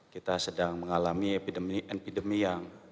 kita sedang mengalami epidemi yang